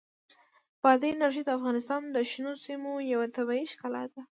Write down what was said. بادي انرژي د افغانستان د شنو سیمو یوه طبیعي ښکلا ده.